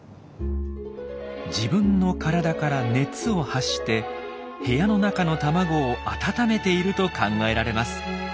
自分の体から熱を発して部屋の中の卵を温めていると考えられます。